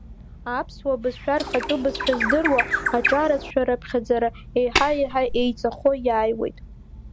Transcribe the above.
Аԥсуа бызшәа рхатхәы бызшәа здыруа аҿарацәа рхыԥхьаӡара еиҳа-еиҳа еиҵахо иааиуеит.